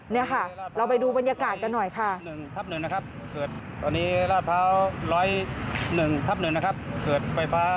นี่ค่ะเราไปดูบรรยากาศกันหน่อยค่ะ